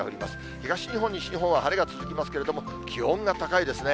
東日本、西日本は晴れが続きますけれども、気温が高いですね。